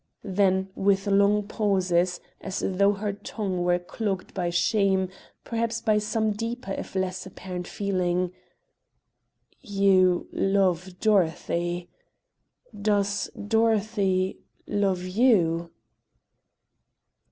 Then, with long pauses, as though her tongue were clogged by shame perhaps by some deeper if less apparent feeling "You love Dorothy; does Dorothy love you?"